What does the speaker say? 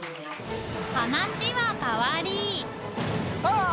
話は変わりあっ！